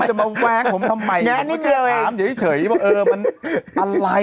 ยังไงยังไง